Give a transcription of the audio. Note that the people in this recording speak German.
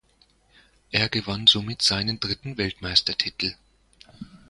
Er gewann somit seinen dritten Weltmeistertitel.